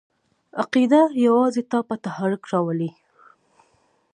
عقیده یوازې تا په تحرک راولي!